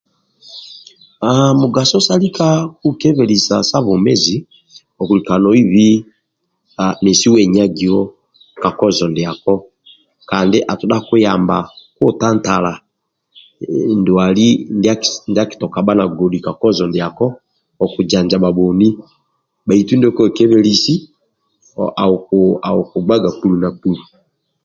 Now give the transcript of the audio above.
A mugaso sa lika kwekebhelesiya sa bwomezi okulikaga nohibi nesi wenyagiyo kakozo ndiako landi atodha akuyamba kwetantala ndia kisobola ba na godi ka kozo ndiako okujanjaba boni baitu ndyo kwekebelesi akuku gbaga kpulu na kpulu